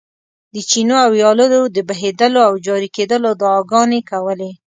د چینو او ویالو د بهېدلو او جاري کېدلو دعاګانې کولې.